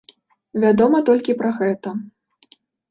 Вядома толькі пра гэта.